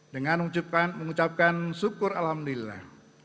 dengan mengucapkan syukur alhamdulillah